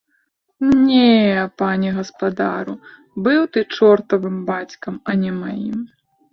Не, пане гаспадару, быў ты чортавым бацькам, а не маім!